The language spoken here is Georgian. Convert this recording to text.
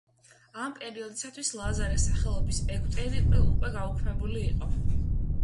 ამ პერიოდისათვის ლაზარეს სახელობის ეგვტერი უკვე გაუქმებული იყო.